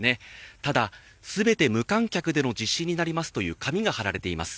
ただ全て無観客での実施になりますと紙が貼られています。